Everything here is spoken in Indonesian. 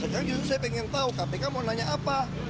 karena justru saya pengen tahu kpk mau nanya apa